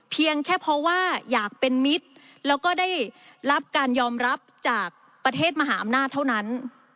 เพียงแค่เพราะว่าอยากเป็นมิตรแล้วก็ได้รับการยอมรับจากประเทศมหาอำนาจเท่านั้น